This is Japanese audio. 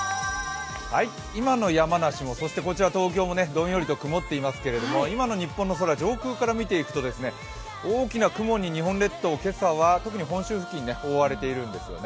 今の山梨も、そしてこちら東京もどんよりと曇っていますけど、今の日本の空、上空から見てみると大きな雲に特に今朝は、本州付近、覆われているんですよね。